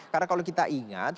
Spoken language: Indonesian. karena kalau kita ingat